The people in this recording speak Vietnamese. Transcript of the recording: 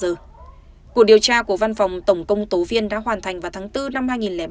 cuộc điều tra của văn phòng tổng công tố viên đã hoàn thành vào tháng bốn năm hai nghìn ba